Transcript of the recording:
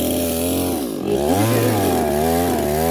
Сзеигәырӷьарызеи?